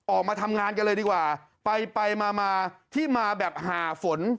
ออกมาทำงานกันเลยดีกว่าไปไปมามาที่มาแบบหาฝน